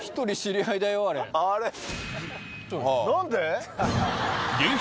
何で？